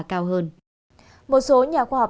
cao hơn một số nhà khoa học